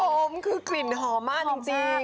คุณผู้ชมคือกลิ่นหอมมากจริง